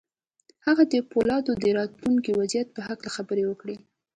هغه د پولادو د راتلونکي وضعیت په هکله خبرې وکړې